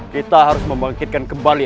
kita harus membangkitkan kembali